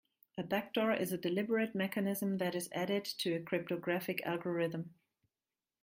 A backdoor is a deliberate mechanism that is added to a cryptographic algorithm.